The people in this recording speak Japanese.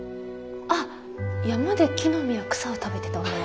あっ山で木の実や草を食べてた女の子？